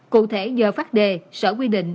cụ thể giờ phát đề sở quy định